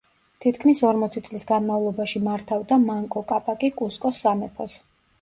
თითქმის ორმოცი წლის განმავლობაში მართავდა მანკო კაპაკი კუსკოს სამეფოს.